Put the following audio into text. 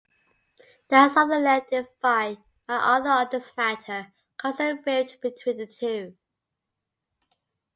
That Sutherland defied MacArthur on this matter caused a rift between the two.